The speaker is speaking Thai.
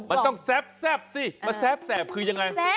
อ้าวมันต้องแซ่บสิแซ่บคือยังไง